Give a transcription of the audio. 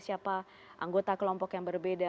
siapa anggota kelompok yang berbeda